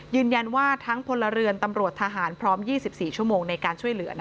ยืนยันว่าทั้งพลเรือนตำรวจทหารพร้อม๒๔ชั่วโมงในการช่วยเหลือ